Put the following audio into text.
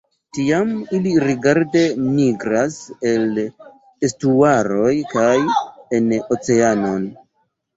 Tiam, ili rapide migras al estuaroj kaj en oceanon.